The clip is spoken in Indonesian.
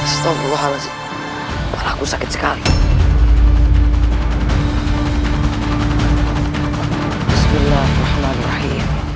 setelah aku sakit sekali